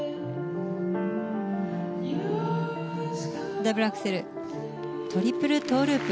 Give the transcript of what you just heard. ダブルアクセルトリプルトウループ。